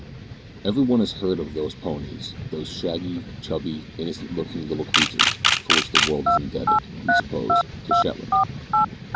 Every one has heard of those ponies those shaggy, chubby, innocent looking little creatures for which the world is indebted, we suppose, to Shetland.